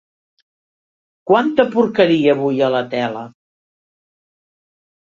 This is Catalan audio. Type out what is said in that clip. Quanta porqueria avui a la tele.